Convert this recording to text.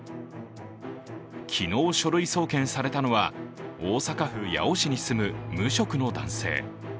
昨日、書類送検されたのは大阪府八尾市に住む無職の男性。